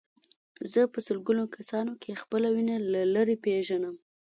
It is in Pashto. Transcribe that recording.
زه په سلګونه کسانو کې خپله وینه له لرې پېژنم.